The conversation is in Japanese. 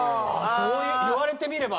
そう言われてみれば。